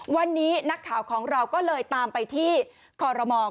วันนี้นักข่าวของเราก็เลยตามไปที่คอรมอล